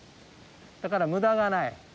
だから無駄がない。